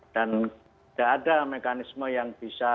dan tidak ada mekanisme yang bisa